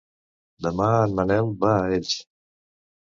Demà en Manel va a Elx.